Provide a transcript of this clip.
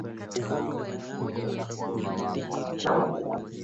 ni sauti yake rais wa ufaransa